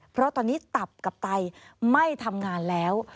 เพราะตอนนี้ตับกับไตไม่ทำงานแล้ว